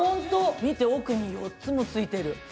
見て、奥に４つもついている。